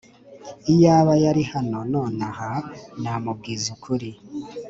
iyaba yari hano nonaha, namubwiza ukuri.